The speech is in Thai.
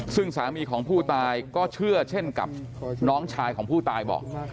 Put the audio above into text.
ซึ่งสามีของผู้ตายก็เชื่อเช่นกับน้องชายของผู้ตายบอก